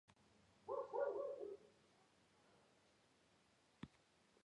კარპატების მთისწინეთში არის გამოზიდვის კონუსები.